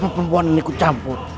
kenapa perempuan ini ku campur